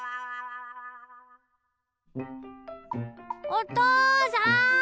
おとうさん！